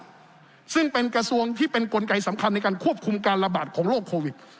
ซึ่งเป็นกระทรวงที่เป็นกลไกสำคัญในการควบคุมการระบาดของโรคโควิด